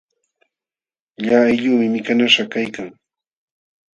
Lla aylluumi mikanaśhqa kaykan.